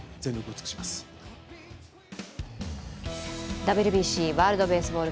ＷＢＣ＝ワールドベースボール